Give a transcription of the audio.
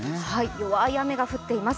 弱い雨が降っています。